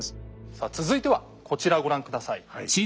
さあ続いてはこちらをご覧下さい。